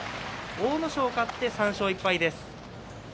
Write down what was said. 阿武咲、勝って３勝１敗です。